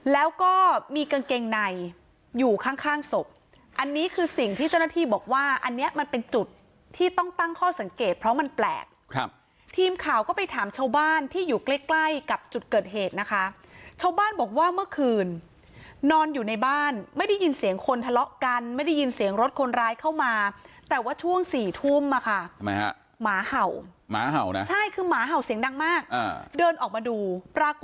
แล้วก็มีกางเกงในอยู่ข้างศพอันนี้คือสิ่งที่เจ้าหน้าที่บอกว่าอันเนี้ยมันเป็นจุดที่ต้องตั้งข้อสังเกตเพราะมันแปลกครับทีมข่าวก็ไปถามชาวบ้านที่อยู่ใกล้กับจุดเกิดเหตุนะคะชาวบ้านบอกว่าเมื่อคืนนอนอยู่ในบ้านไม่ได้ยินเสียงคนทะเลาะกันไม่ได้ยินเสียงรถคนร้ายเข้ามาแต่ว่าช่วง๔ทุ่มมาค